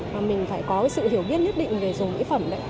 và mình phải có sự hiểu biết nhất định về dùng mỹ phẩm đấy